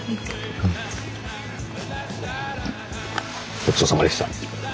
ごちそうさまでした。